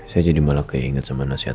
saya jadi malah keinget sama nasihat